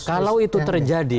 kalau itu terjadi